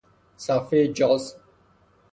صفحهی جاز